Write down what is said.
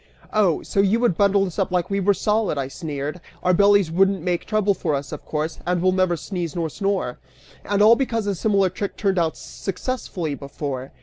"Oh! So you would bundle us up like we were solid," I sneered; "our bellies wouldn't make trouble for us, of course, and we'll never sneeze nor snore! And all because a similar trick turned out successfully before!